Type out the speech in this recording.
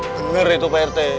bener itu pak rt